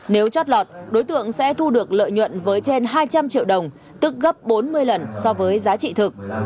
nếu chót lọt đối tượng sẽ thu được lợi nhuận với trên hai trăm linh triệu đồng tức gấp bốn mươi lần so với giá trị thực